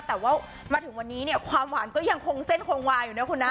แต่ว่ามาถึงวันนี้เนี่ยความหวานก็ยังคงเส้นคงวาอยู่นะคุณนะ